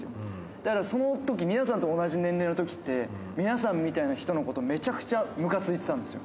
だからそのとき、皆さんと同じ年齢のときって、皆さんみたいな人のこと、めちゃくちゃむかついてたんですよ。